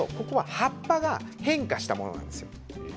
葉っぱが変化したものなんです。